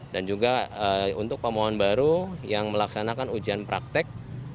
dan juga untuk pemohon baru yang melaksanakan ujian praktek